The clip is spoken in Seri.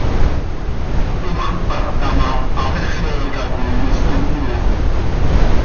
Ox tpacta ma, hapéxeca coi mos toc cömoii.